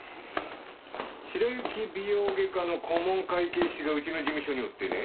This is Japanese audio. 白雪美容外科の顧問会計士がうちの事務所におってね。